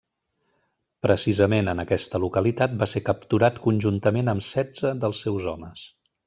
Precisament en aquesta localitat va ser capturat conjuntament amb setze dels seus homes.